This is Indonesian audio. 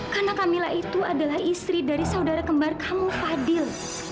karena kamila itu adalah istri dari saudara kembar kamu fadil